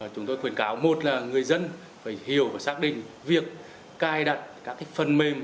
chúng tôi khuyến cáo một là người dân phải hiểu và xác định việc cài đặt các phần mềm